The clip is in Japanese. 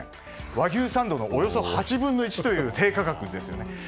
和牛サンドのおよそ８分の１という低価格ですよね。